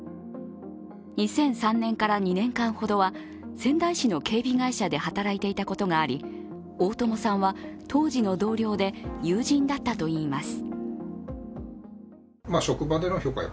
２００３年から２年間ほどは仙台市の警備会社で働いていたことがあり、大友さんは当時の同僚で友人だったといいます。